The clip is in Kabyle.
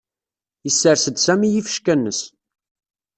Yessers-d Sami ifecka-nnes.